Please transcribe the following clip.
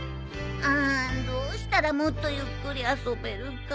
あんどうしたらもっとゆっくり遊べるか？